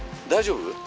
大丈夫？